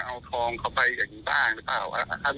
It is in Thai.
แล้วเขาพูดอย่างผมก็แบบว่ามีเรื่องอะไรอย่างนี้แน่หน่อยนะครับ